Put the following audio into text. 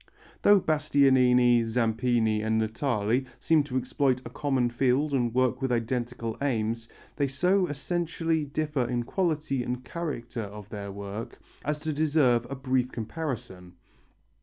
Though Bastianini, Zampini and Natali seem to exploit a common field and to work with identical aims, they so essentially differ in the quality and character of their work as to deserve a brief comparison.